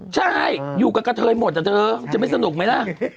ใช่อยู่กับกะเทยหมดอะเธอจะไม่สนุกไหมล่ะ